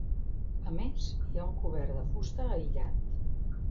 A més hi ha un cobert de fusta aïllat.